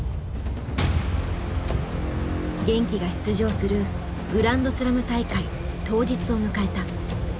玄暉が出場するグランドスラム大会当日を迎えた。